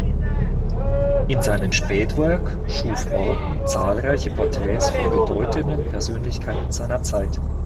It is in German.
In seinem Spätwerk schuf Orpen zahlreiche Porträts von bedeutenden Persönlichkeiten seiner Zeit.